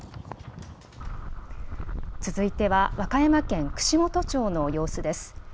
続いては和歌山県串本町の様子です。